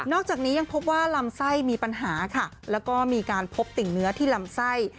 อกจากนี้ยังพบว่าลำไส้มีปัญหาค่ะแล้วก็มีการพบติ่งเนื้อที่ลำไส้